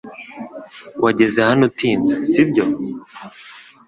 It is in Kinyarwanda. Wageze hano utinze, si byo? (nadsat)